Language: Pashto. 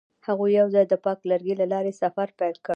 هغوی یوځای د پاک لرګی له لارې سفر پیل کړ.